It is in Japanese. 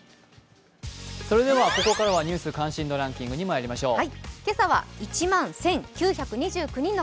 ここからは「ニュース関心度ランキング」にまいりましょう。